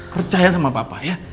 percaya sama papa ya